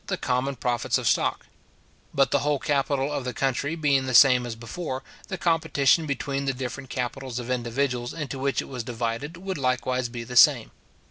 the common profits of stock; but the whole capital of the country being the same as before, the competition between the different capitals of individuals into which it was divided would likewise be the same.